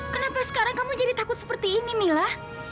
kenapa sekarang kamu jadi takut seperti ini mila